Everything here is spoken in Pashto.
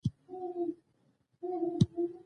منځنۍ ګوته کاپیټانو ده.